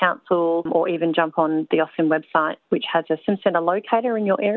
untuk menjadi bagian dari komunitas